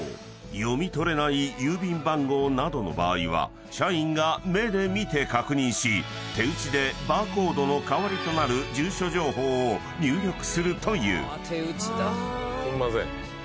読み取れない郵便番号などの場合は社員が目で見て確認し手打ちでバーコードの代わりとなる住所情報を入力するという］